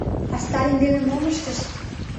А Сталин дене мом ыштышт?